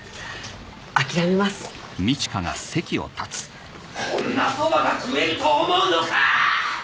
諦めます・こんなそばが食えると思うのか！